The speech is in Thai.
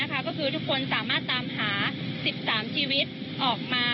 ก็คือทุกคนสามารถตามหา๑๓ชีวิตออกมา